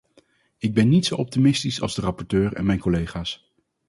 Ik ben niet zo optimistisch als de rapporteur en mijn collega's.